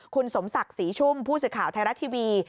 คุณสมศักดิ์ศรีชุ่มผู้สื่อข่าวไทยรัฐทีวี